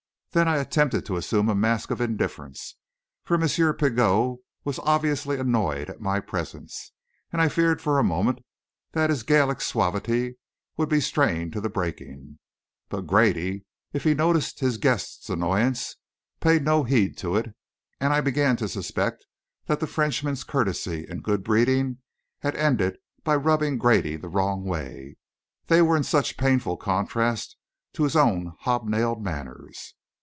Then I attempted to assume a mask of indifference, for M. Pigot was obviously annoyed at my presence, and I feared for a moment that his Gallic suavity would be strained to breaking. But Grady, if he noticed his guest's annoyance, paid no heed to it; and I began to suspect that the Frenchman's courtesy and good breeding had ended by rubbing Grady the wrong way, they were in such painful contrast to his own hob nailed manners.